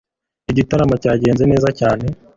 Igitaramo cyagenze neza cyane